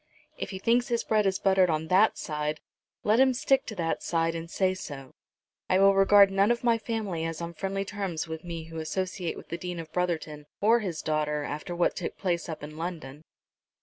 "If he thinks his bread is buttered on that side, let him stick to that side and say so. I will regard none of my family as on friendly terms with me who associate with the Dean of Brotherton or his daughter after what took place up in London."